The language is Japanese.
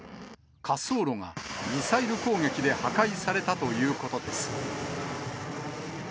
滑走路がミサイル攻撃で破壊されたということです。